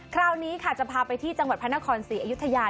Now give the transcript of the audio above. คราวนี้ค่ะจะพาไปที่จังหวัดพระนครศรีอยุธยา